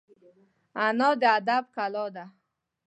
انا د ادب کلا ده